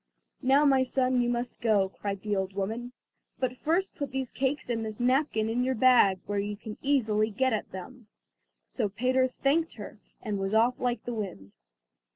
"Now, my son, you must go," cried the old woman "but first put these cakes and this napkin in your bag, where you can easily get at them." So Peter thanked her and was off like the wind.